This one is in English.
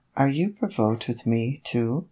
" Are you provoked with me, too ?